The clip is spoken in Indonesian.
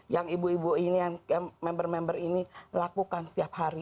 yang ibu ibu ini yang member member ini lakukan setiap hari